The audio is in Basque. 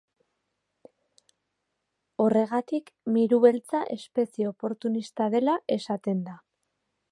Horregatik miru beltza espezie oportunista dela esaten da.